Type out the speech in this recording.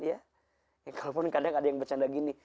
ya kalaupun kadang ada yang bercanda gini